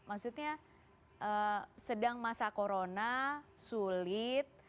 maksudnya sedang masa corona sulit